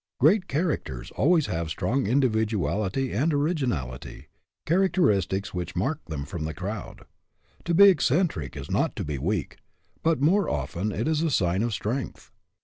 Great characters always have strong individuality and originality, characteristics which mark them from the crowd. To be eccentric is not to be weak, but more often it is a sign of strength.